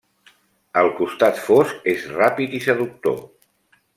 El costat fosc és ràpid i seductor.